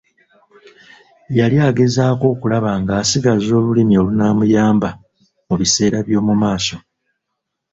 Yali agezaako okulaba nga asigaza olulimi olunaamuyamba mu biseera by'omu maaso.